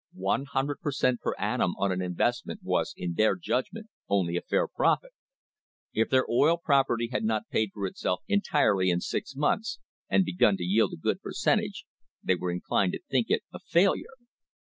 One hundred per cent, per annum on an investment was in their judgment only a fair profit. If their oil property had not paid for itself entirely in six months, and begun to yield a good percentage, they were inclined to think it a fail ure.